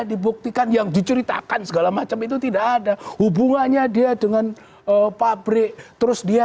dibuktikan yang diceritakan segala macam itu tidak ada hubungannya dia dengan pabrik terus dia